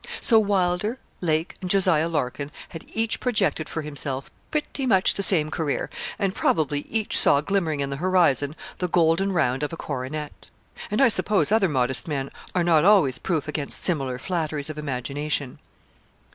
So Wylder, Lake, and Jos. Larkin had each projected for himself, pretty much the same career; and probably each saw glimmering in the horizon the golden round of a coronet. And I suppose other modest men are not always proof against similar flatteries of imagination.